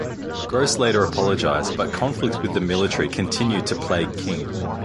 Grose later apologised, but conflict with the military continued to plague King.